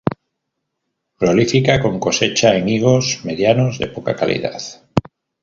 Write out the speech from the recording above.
Prolífica con cosecha en higos medianos de poca calidad.